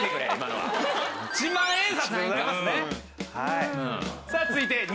はい。